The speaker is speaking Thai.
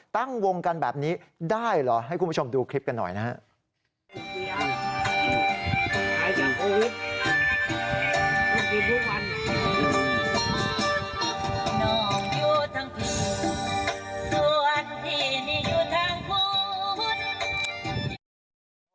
ตั้งวงกันแบบนี้ได้เหรอให้คุณผู้ชมดูคลิปกันหน่อยนะครับ